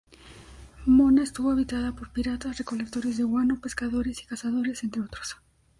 Mona estuvo habitada por piratas, recolectores de guano, pescadores y cazadores, entre otros.